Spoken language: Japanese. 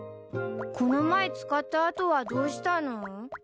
この前使った後はどうしたの？